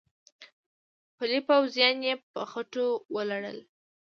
پلي پوځیان يې په خټو ولړل.